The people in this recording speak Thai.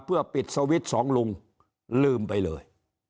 เพื่อปิดสวิตช์สองลุงลืมไปเลย